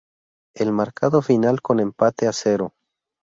El marcado final con empate a cero.